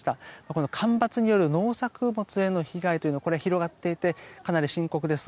この干ばつによる農作物への被害が広がっていてかなり深刻です。